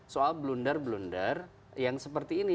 soal blunder blunder yang seperti ini